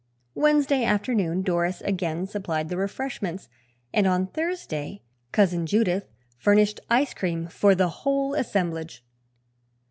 Wednesday afternoon Doris again supplied the refreshments and on Thursday Cousin Judith furnished ice cream for the whole assemblage.